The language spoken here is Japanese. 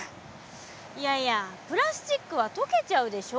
いやいやプラスチックは溶けちゃうでしょ？